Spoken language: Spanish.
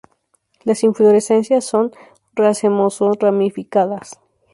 Las inflorescencias son racemoso-ramificadas.